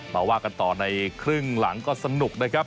มาว่ากันต่อในครึ่งหลังก็สนุกนะครับ